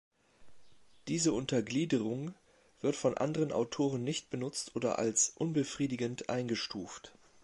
Diese Untergliederung wird von anderen Autoren nicht benutzt oder als unbefriedigend eingestuft.